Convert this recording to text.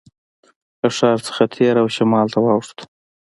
له ښار څخه تېر او شمال ته واوښتو.